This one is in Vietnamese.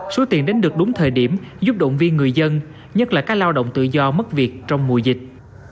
số tiền đến được đúng thời điểm giúp động viên người dân nhất là các lao động tự do mất việc trong mùa dịch